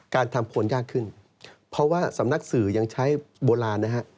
การทำคนยากขึ้นเพราะว่าสำนักสื่อยังใช้โบราณนะฮะ